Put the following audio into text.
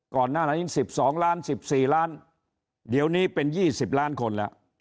ก่อนหน้านี้สิบสองล้านสิบสี่ล้านเดี๋ยวนี้เป็นยี่สิบล้านคนแล้ว